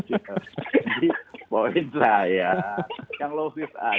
jadi poin saya yang lovis aja